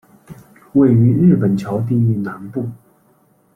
位于日本桥地域南部。